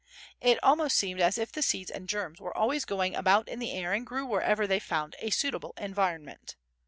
It almost seemed as if the seeds and germs were always going about in the air and grew wherever they found a suitable environment.